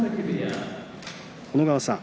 小野川さん